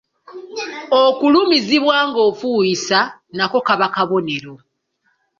Okulumizibwa ng’ofuuyisa nako kabonero.